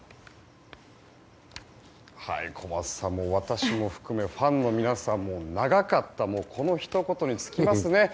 小松さん、私も含めファンの皆さんも長かったこのひと言に尽きますね。